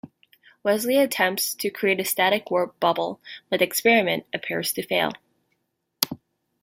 Wesley attempts to create a static warp bubble but the experiment appears to fail.